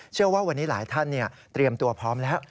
เชื่อว่าวันนี้หลายท่านเตรียมตัวพร้อมแล้ว